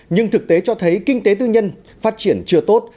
nhưng thực tế cho thấy kinh tế tư nhân phát triển chưa tốt